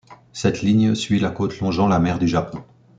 Cette ligne suit la cote longeant la mer du Japon.